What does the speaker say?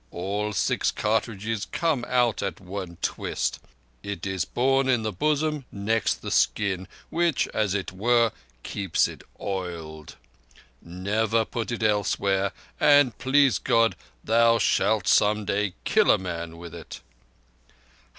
All six cartridges come out at one twist. It is borne in the bosom next the skin, which, as it were, keeps it oiled. Never put it elsewhere, and please God, thou shalt some day kill a man with it."